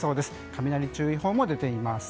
雷注意報も出ています。